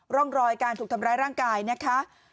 ร่องรอยการถูกทำร้ายร่างกายนะคะ